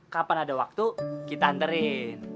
kapan ada waktu kita anterin